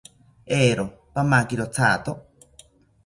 Eero, pamakiro thato